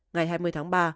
ngày hai mươi tháng ba